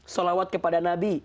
salawat kepada nabi